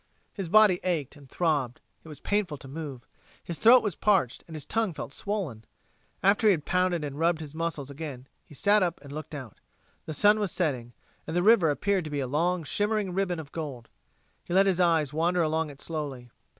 His body ached and throbbed; it was painful to move. His throat was parched, and his tongue felt swollen. After he had pounded and rubbed his muscles again, he sat up and looked out. The sun was setting, and the river appeared to be a long shimmering ribbon of gold. He let his eyes wander along it slowly.